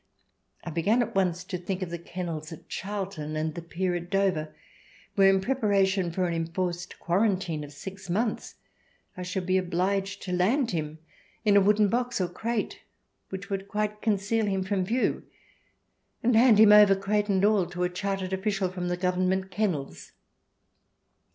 I began at once to think of the kennels at Charlton and the pier at Dover, where, in prepara tion for an enforced quarantine of six months, I should be obliged to land him in a wooden box or crate which would quite conceal him from view, and hand him over, crate and all, to a chartered official from the Government kennels.